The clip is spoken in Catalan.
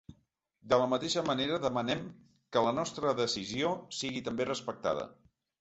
De la mateixa manera demanem que la nostra decisió sigui també respectada.